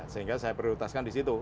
sehingga saya prioritaskan di situ